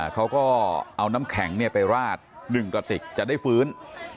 เขาก็เอาน้ำแข็งไปราด๑กระติกจะได้ฟื้น